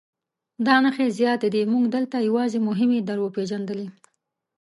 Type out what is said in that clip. دا نښې زیاتې دي موږ دلته یوازې مهمې در وپېژندلې.